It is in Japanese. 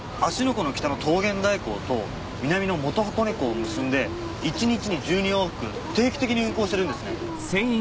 湖の北の桃源台港と南の元箱根港を結んで１日に１２往復定期的に運航してるんですね。